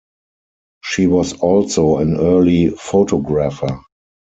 She was also an early photographer.